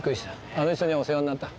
あの人にはお世話になった。